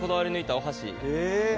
お箸。